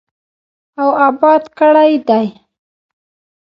او اباد کړی دی.